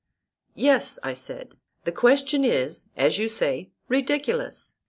Yes, I said, the question is, as you say, ridiculous.